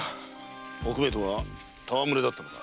おくめとは戯れだったのか？